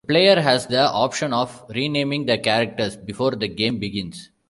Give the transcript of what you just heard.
The player has the option of renaming the characters before the game begins.